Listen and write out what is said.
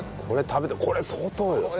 これ食べたらこれ相当よ。